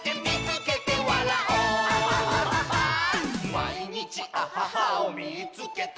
「まいにちアハハをみいつけた！」